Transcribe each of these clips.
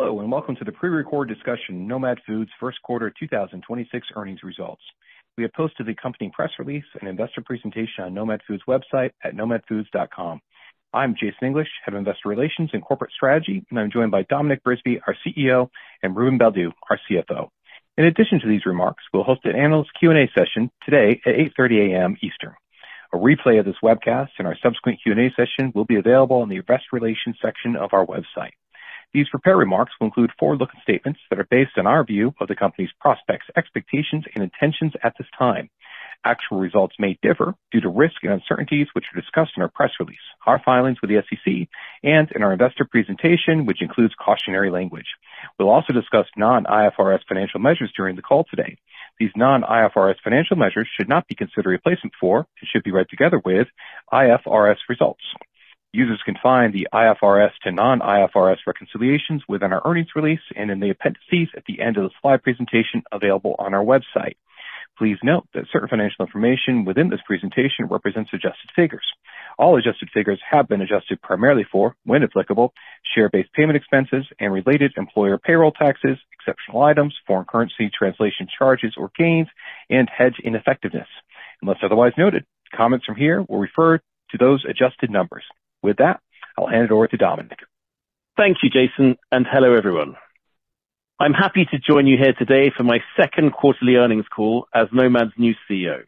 Hello, and welcome to the prerecorded discussion, Nomad Foods first quarter 2026 earnings results. We have posted the company press release and investor presentation on Nomad Foods website at nomadfoods.com. I'm Jason English, Head of Investor Relations and Corporate Strategy, and I'm joined by Dominic Brisby, our CEO, and Ruben Baldew, our CFO. In addition to these remarks, we'll host an analyst Q&A session today at 8:30 A.M. Eastern. A replay of this webcast and our subsequent Q&A session will be available on the investor relations section of our website. These prepared remarks will include forward-looking statements that are based on our view of the company's prospects, expectations, and intentions at this time. Actual results may differ due to risks and uncertainties, which are discussed in our press release, our filings with the SEC, and in our investor presentation, which includes cautionary language. We'll also discuss non-IFRS financial measures during the call today. These non-IFRS financial measures should not be considered replacement for, it should be read together with IFRS results. Users can find the IFRS to non-IFRS reconciliations within our earnings release and in the appendices at the end of the slide presentation available on our website. Please note that certain financial information within this presentation represents adjusted figures. All adjusted figures have been adjusted primarily for, when applicable, share-based payment expenses and related employer payroll taxes, exceptional items, foreign currency translation charges or gains, and hedge ineffectiveness. Unless otherwise noted, comments from here will refer to those adjusted numbers. With that, I'll hand it over to Dominic. Thank you, Jason, and hello everyone. I'm happy to join you here today for my second quarterly earnings call as Nomad's new CEO.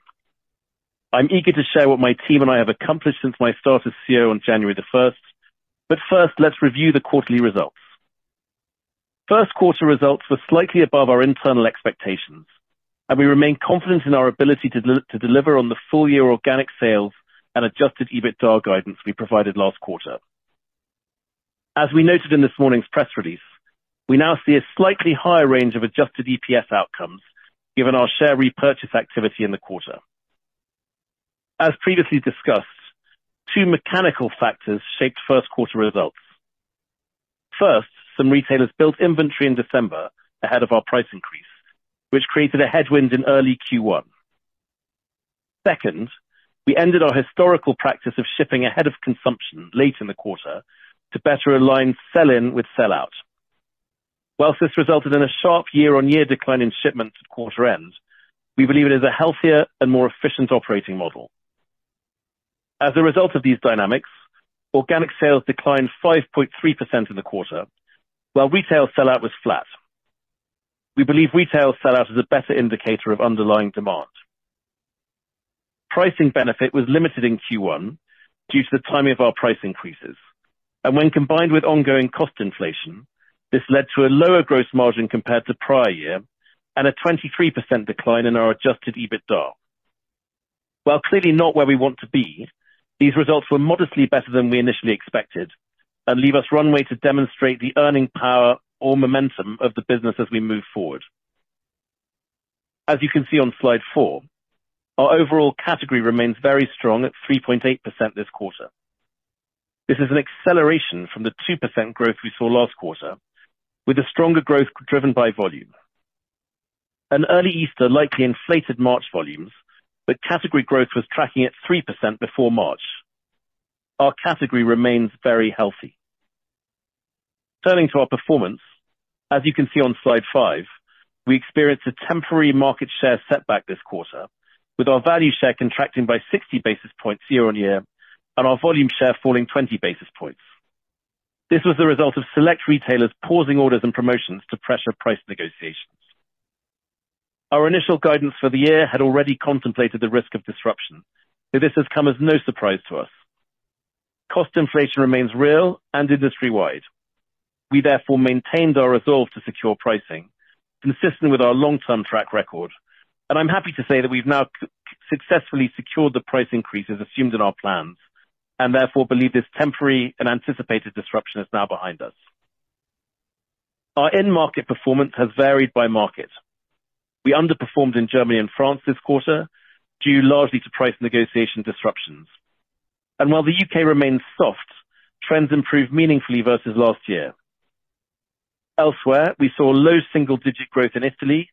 I'm eager to share what my team and I have accomplished since my start as CEO on January the first. First, let's review the quarterly results. First quarter results were slightly above our internal expectations, and we remain confident in our ability to deliver on the full-year organic sales and adjusted EBITDA guidance we provided last quarter. As we noted in this morning's press release, we now see a slightly higher range of adjusted EPS outcomes given our share repurchase activity in the quarter. As previously discussed, two mechanical factors shaped first quarter results. First, some retailers built inventory in December ahead of our price increase, which created a headwind in early Q1. Second, we ended our historical practice of shipping ahead of consumption late in the quarter to better align sell-in with sell-out. Whilst this resulted in a sharp year-on-year decline in shipments at quarter end, we believe it is a healthier and more efficient operating model. As a result of these dynamics, organic sales declined 5.3% in the quarter while retail sellout was flat. We believe retail sellout is a better indicator of underlying demand. Pricing benefit was limited in Q1 due to the timing of our price increases. When combined with ongoing cost inflation, this led to a lower gross margin compared to prior year and a 23% decline in our adjusted EBITDA. While clearly not where we want to be, these results were modestly better than we initially expected and leave us runway to demonstrate the earning power or momentum of the business as we move forward. As you can see on slide four, our overall category remains very strong at 3.8% this quarter. This is an acceleration from the 2% growth we saw last quarter with a stronger growth driven by volume. An early Easter likely inflated March volumes, but category growth was tracking at 3% before March. Our category remains very healthy. Turning to our performance, as you can see on slide five, we experienced a temporary market share setback this quarter with our value share contracting by 60 basis points year-on-year and our volume share falling 20 basis points. This was the result of select retailers pausing orders and promotions to pressure price negotiations. Our initial guidance for the year had already contemplated the risk of disruption. This has come as no surprise to us. Cost inflation remains real and industry-wide. We therefore maintained our resolve to secure pricing consistent with our long-term track record, and I'm happy to say that we've now successfully secured the price increases assumed in our plans and therefore believe this temporary and anticipated disruption is now behind us. Our end market performance has varied by market. We underperformed in Germany and France this quarter, due largely to price negotiation disruptions. While the U.K. remains soft, trends improved meaningfully versus last year. Elsewhere, we saw low single-digit growth in Italy,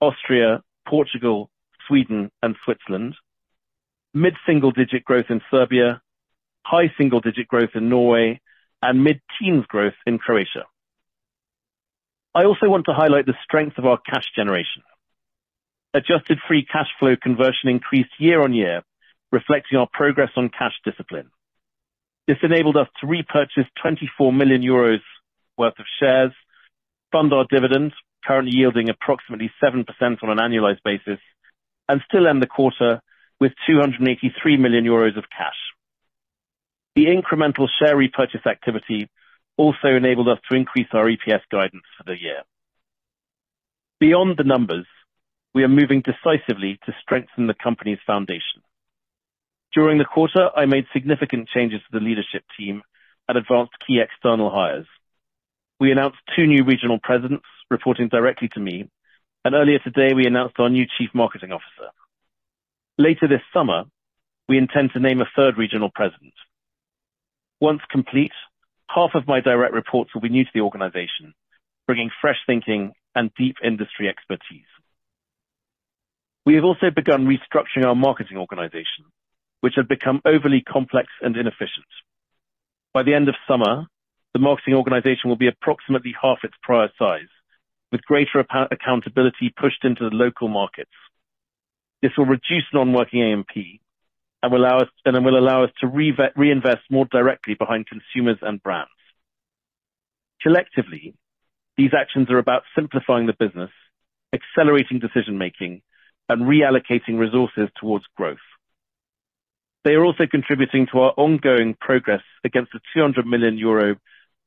Austria, Portugal, Sweden, and Switzerland, mid-single-digit growth in Serbia, high single-digit growth in Norway, and mid-teens growth in Croatia. I also want to highlight the strength of our cash generation. Adjusted free cash flow conversion increased year-on-year, reflecting our progress on cash discipline. This enabled us to repurchase 24 million euros worth of shares, fund our dividends, currently yielding approximately 7% on an annualized basis, and still end the quarter with 283 million euros of cash. The incremental share repurchase activity also enabled us to increase our EPS guidance for the year. Beyond the numbers, we are moving decisively to strengthen the company's foundation. During the quarter, I made significant changes to the leadership team and advanced key external hires. We announced two new Regional Presidents reporting directly to me, and earlier today, we announced our new Chief Marketing Officer. Later this summer, we intend to name a third Regional President. Once complete, half of my direct reports will be new to the organization, bringing fresh thinking and deep industry expertise. We have also begun restructuring our marketing organization, which had become overly complex and inefficient. By the end of summer, the marketing organization will be approximately half its prior size, with greater accountability pushed into the local markets. This will reduce non-working AP and will allow us to reinvest more directly behind consumers and brands. Collectively, these actions are about simplifying the business, accelerating decision-making, and reallocating resources towards growth. They are also contributing to our ongoing progress against the 200 million euro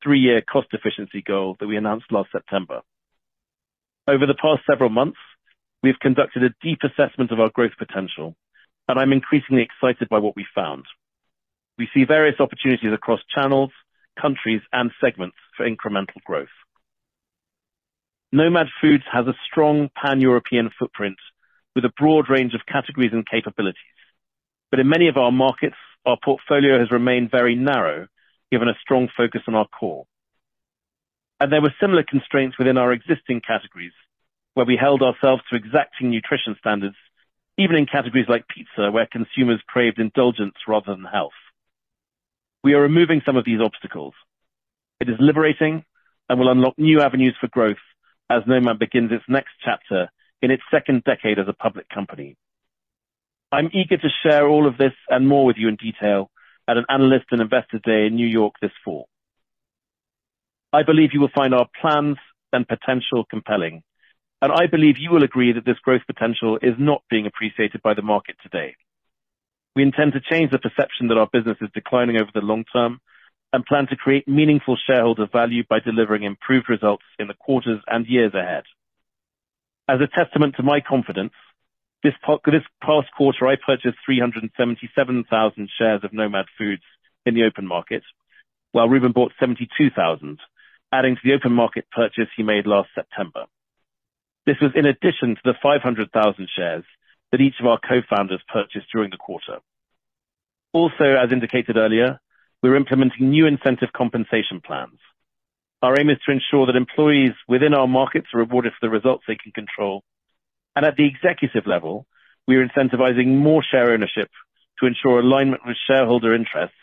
three-year cost efficiency goal that we announced last September. Over the past several months, we've conducted a deep assessment of our growth potential, and I'm increasingly excited by what we found. We see various opportunities across channels, countries, and segments for incremental growth. Nomad Foods has a strong pan-European footprint with a broad range of categories and capabilities. In many of our markets, our portfolio has remained very narrow, given a strong focus on our core. There were similar constraints within our existing categories, where we held ourselves to exacting nutrition standards, even in categories like pizza, where consumers craved indulgence rather than health. We are removing some of these obstacles. It is liberating and will unlock new avenues for growth as Nomad begins its next chapter in its second decade as a public company. I'm eager to share all of this and more with you in detail at an analyst and investors day in New York this fall. I believe you will find our plans and potential compelling, and I believe you will agree that this growth potential is not being appreciated by the market today. We intend to change the perception that our business is declining over the long term, and plan to create meaningful shareholder value by delivering improved results in the quarters and years ahead. As a testament to my confidence, this past quarter, I purchased 377,000 shares of Nomad Foods in the open market, while Ruben bought 72,000, adding to the open market purchase he made last September. This was in addition to the 500,000 shares that each of our co-founders purchased during the quarter. As indicated earlier, we're implementing new incentive compensation plans. Our aim is to ensure that employees within our markets are rewarded for the results they can control. At the executive level, we are incentivizing more share ownership to ensure alignment with shareholder interests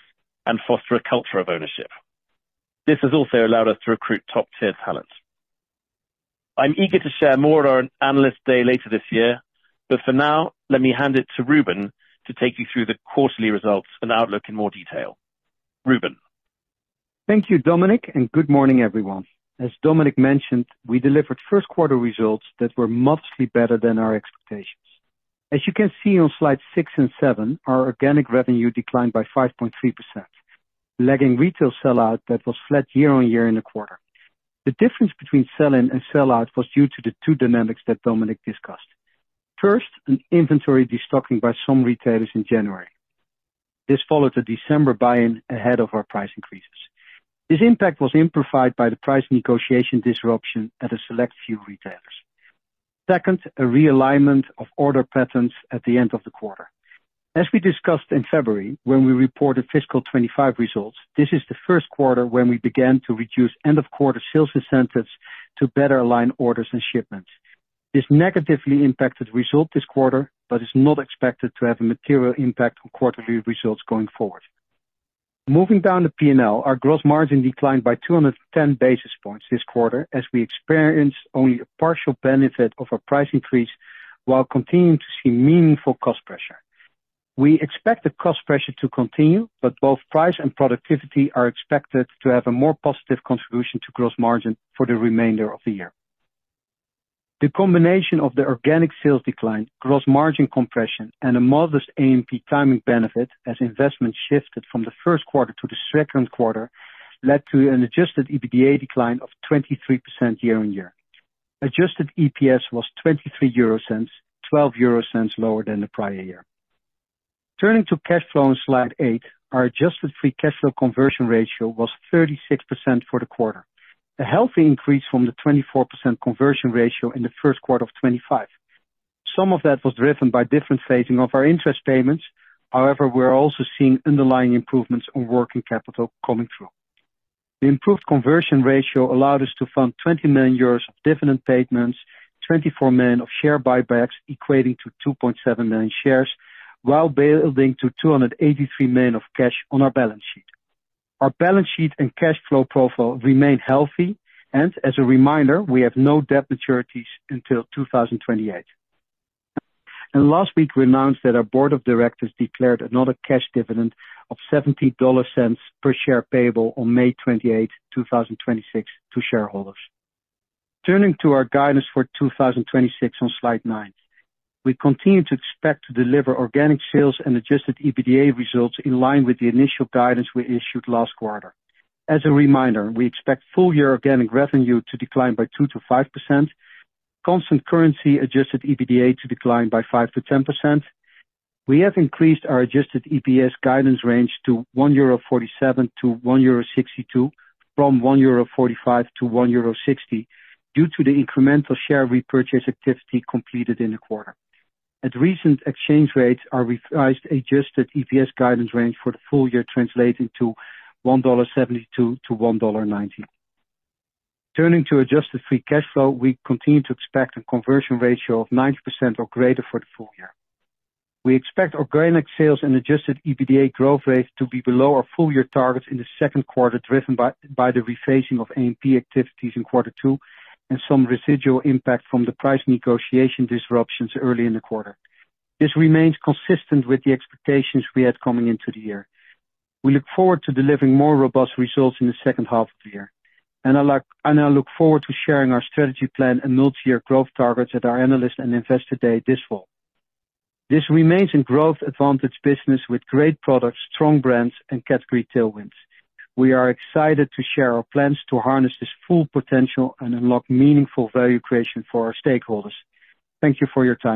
and foster a culture of ownership. This has also allowed us to recruit top-tier talent. I'm eager to share more at our analyst day later this year. For now, let me hand it to Ruben to take you through the quarterly results and outlook in more detail. Ruben. Thank you, Dominic, and good morning, everyone. As Dominic mentioned, we delivered first quarter results that were modestly better than our expectations. As you can see on slide six and seven, our organic revenue declined by 5.3%, lagging retail sell-out that was flat year-on-year in the quarter. The difference between sell-in and sell-out was due to the two dynamics that Dominic discussed. First, an inventory destocking by some retailers in January. This followed a December buy-in ahead of our price increases. This impact was amplified by the price negotiation disruption at a select few retailers. Second, a realignment of order patterns at the end of the quarter. As we discussed in February, when we reported fiscal 2025 results, this is the first quarter when we began to reduce end-of-quarter sales incentives to better align orders and shipments. This negatively impacted result this quarter, but is not expected to have a material impact on quarterly results going forward. Moving down to P&L, our gross margin declined by 210 basis points this quarter, as we experienced only a partial benefit of a price increase while continuing to see meaningful cost pressure. We expect the cost pressure to continue, but both price and productivity are expected to have a more positive contribution to gross margin for the remainder of the year. The combination of the organic sales decline, gross margin compression, and a modest AMP timing benefit as investment shifted from the first quarter to the second quarter led to an adjusted EBITDA decline of 23% year-on-year. Adjusted EPS was 0.23, 0.12 lower than the prior year. Turning to cash flow on slide eight, our adjusted free cash flow conversion ratio was 36% for the quarter, a healthy increase from the 24% conversion ratio in the first quarter of 2025. Some of that was driven by different phasing of our interest payments. However, we're also seeing underlying improvements on working capital coming through. The improved conversion ratio allowed us to fund 20 million euros of dividend payments, 24 million of share buybacks, equating to 2.7 million shares, while building to 283 million of cash on our balance sheet. Our balance sheet and cash flow profile remain healthy, and as a reminder, we have no debt maturities until 2028. Last week, we announced that our board of directors declared another cash dividend of $0.70 per share payable on May 28, 2026 to shareholders. Turning to our guidance for 2026 on slide nine. We continue to expect to deliver organic sales and adjusted EBITDA results in line with the initial guidance we issued last quarter. As a reminder, we expect full year organic revenue to decline by 2%-5%. Constant currency adjusted EBITDA to decline by 5%-10%. We have increased our adjusted EPS guidance range to 1.47-1.62 euro from 1.45-1.60 euro due to the incremental share repurchase activity completed in the quarter. At recent exchange rates, our revised adjusted EPS guidance range for the full year translating to $1.72-$1.90. Turning to adjusted free cash flow, we continue to expect a conversion ratio of 90% or greater for the full year. We expect organic sales and adjusted EBITDA growth rates to be below our full year targets in the second quarter, driven by the rephasing of AMP activities in quarter two and some residual impact from the price negotiation disruptions early in the quarter. This remains consistent with the expectations we had coming into the year. We look forward to delivering more robust results in the second half of the year. I look forward to sharing our strategy plan and multi-year growth targets at our analyst and investor day this fall. This remains a growth advantaged business with great products, strong brands, and category tailwinds. We are excited to share our plans to harness this full potential and unlock meaningful value creation for our stakeholders. Thank you for your time.